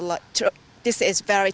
ini sangat berbahaya